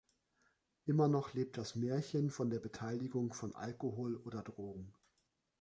Immer noch lebt das Märchen von der Beteiligung von Alkohol oder Drogen.